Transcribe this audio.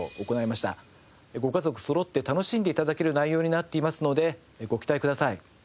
ご家族そろって楽しんで頂ける内容になっていますのでご期待ください。